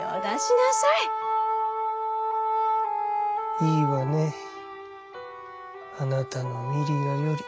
「いいわねあなたのミリアより」。